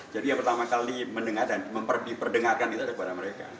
jadi yang pertama kali mendengar dan diperdengarkan itu adalah kepada mereka